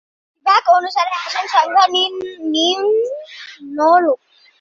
বিভাগ অনুসারে আসন সংখ্যা নিম্নরূপঃ